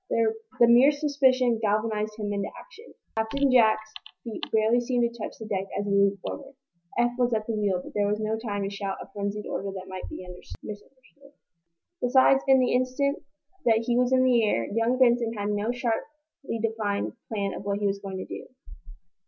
The mere suspicion galvanized him into action. Captain Jack's feet barely seemed to touch the deck as he leaped forward. Eph was at the wheel, but there was no time to shout a frenzied order that might be misunderstood. Besides, in the instant that he was in the air, young Benson had no sharply defined plan of what he was going to do.